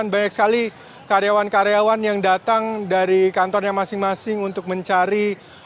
dan banyak sekali karyawan karyawan yang datang dari kantornya masing masing untuk mencari